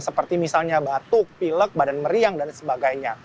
seperti misalnya batuk pilek badan meriang dan sebagainya